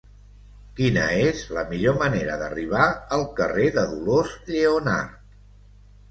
Quina és la millor manera d'arribar al carrer de Dolors Lleonart?